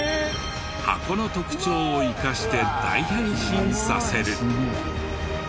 箱の特徴を生かして大変身させる。